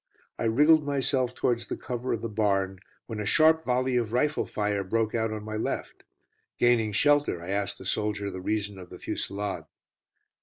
I wriggled myself towards the cover of the barn, when a sharp volley of rifle fire broke out on my left. Gaining shelter, I asked the soldier the reason of the fusillade.